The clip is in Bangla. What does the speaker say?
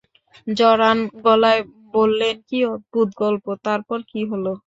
জড়ান গলায় বললেন, কী অদ্ভুত গল্প তারপর কী হল?